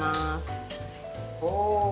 お。